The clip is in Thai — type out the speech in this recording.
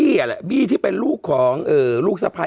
พี่โอ๊คบอกว่าเขินถ้าต้องเป็นเจ้าภาพเนี่ยไม่ไปร่วมงานคนอื่นอะได้